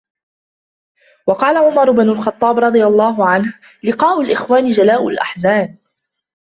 وَقَالَ عُمَرُ بْنُ الْخَطَّابِ رَضِيَ اللَّهُ عَنْهُ لِقَاءُ الْإِخْوَانِ جَلَاءُ الْأَحْزَانِ